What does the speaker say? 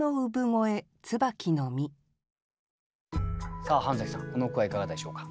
さあ半さんこの句はいかがでしょうか？